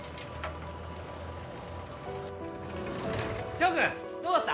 翔君どうだった？